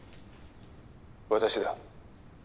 私だ。